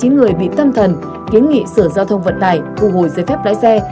bốn tám mươi chín người bị tâm thần kiến nghị sở giao thông vận tải thu hồi giấy phép lái xe